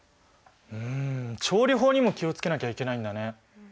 うん調理法にも気を付けなきゃいけないんだね。